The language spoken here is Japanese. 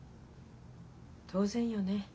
当然よね。